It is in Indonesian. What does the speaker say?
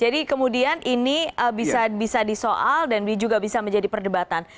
jadi kemudian ini bisa disoal dan juga bisa menjadi perdebatan